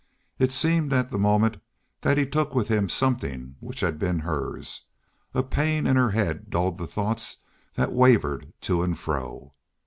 It seemed at the moment that he took with him something which had been hers. A pain in her head dulled the thoughts that wavered to and fro.